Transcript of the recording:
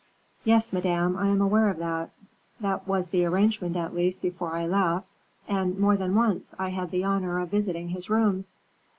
"Yes, Madame, I am aware of that; that was the arrangement, at least, before I left; and more than once I had the honor of visiting his rooms."